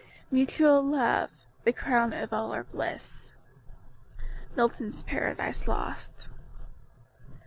"Mutual love, the crown of all our bliss." MILTON'S PARADISE LOST.